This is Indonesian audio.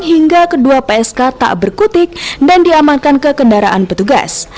hingga kedua psk tak berkutik dan diamankan ke kendaraan petugas